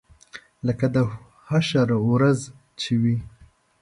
لکه د حشر ورځ چې وي.